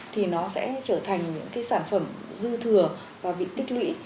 thì nó sẽ trở thành những cái sản phẩm dư thừa và bị tích lũy